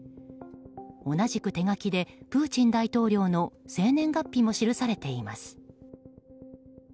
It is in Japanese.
同じく手書きでプーチン大統領の生年月日も記されています。